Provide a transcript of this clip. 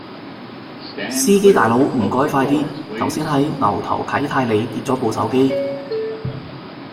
司機大佬唔該快啲，頭先喺牛頭啟泰里跌左部手機